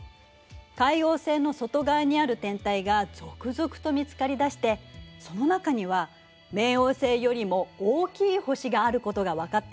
海王星の外側にある天体が続々と見つかりだしてその中には冥王星よりも大きい星があることが分かったの。